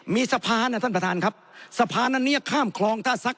มีสะพานนะท่านประธานครับสะพานอันนี้ข้ามคลองท่าซัก